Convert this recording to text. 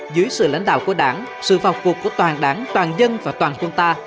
dưới sự lãnh đạo của đảng sự vào cuộc của toàn đảng toàn dân và toàn quân ta